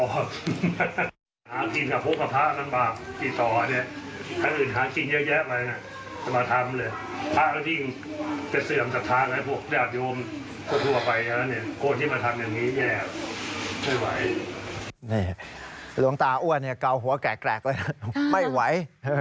หลวงตาอ้วนเกาหัวแกรกไม่ไหว